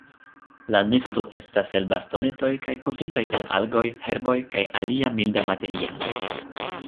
La nesto estas el bastonetoj kaj kovritaj el algoj, herboj kaj alia milda materialo.